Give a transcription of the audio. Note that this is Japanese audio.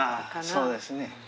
そうですね。